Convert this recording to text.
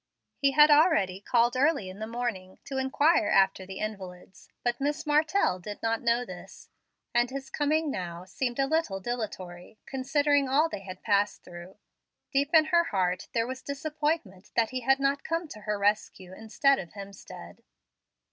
He had already called early in the morning, to inquire after the invalids; but Miss Martell did not know this, and his coming now seemed a little dilatory, considering all they had passed through. Deep in her heart there was disappointment that he had not come to her rescue instead of Hemstead.